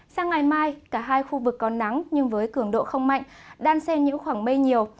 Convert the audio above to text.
sang ngày mai cả hai khu vực có nắng nhưng với cường độ không mạnh đan xen những khoảng mây nhiều